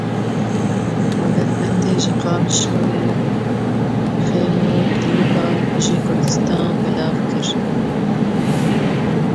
Hunermendê ji Qamişloyê Xêmo, klîba Bijî Kurdistan belav kir.